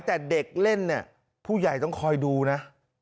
แต่เด็กเล่นเนี่ยผู้ใหญ่ต้องคอยดูนะ